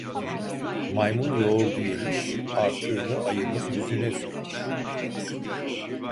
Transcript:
Maymun yoğurdu yemiş, artığını ayının yüzüne sürmüş.